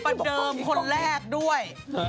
ประเดิมคนแรกด้วย